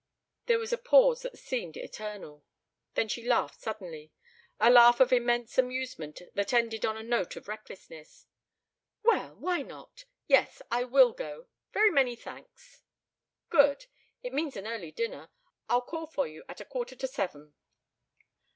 There was a pause that seemed eternal. Then she laughed suddenly, a laugh of intense amusement that ended on a note of recklessness. "Well! Why not? Yes, I will go. Very many thanks." "Good. It means an early dinner. I'll call for you at a quarter to seven."